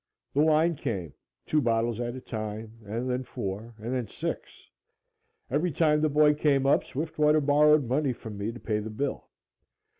The wine came, two bottles at a time and then four, and then six. Every time the boy came up, Swiftwater borrowed money from me to pay the bill.